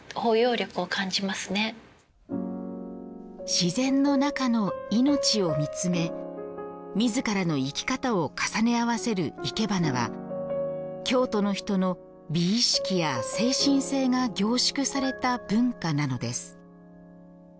自然の中の命を見つめみずからの生き方を重ね合わせるいけばなは京都の人の美意識や精神性が凝縮された文化なのです。